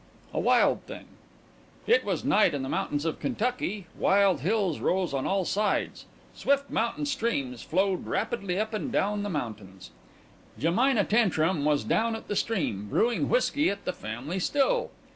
A WILD THING It was night in the mountains of Kentucky. Wild hills rose on all sides. Swift mountain streams flowed rapidly up and down the mountains. Jemina Tantrum was down at the stream, brewing whiskey at the family still.